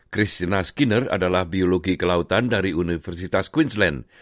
christina skiner adalah biologi kelautan dari universitas queensland